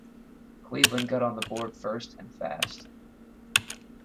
Cleveland got on the board first and fast.